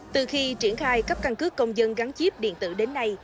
từ khi triển khai cấp căn cước công dân gắn chip điện tử đến nay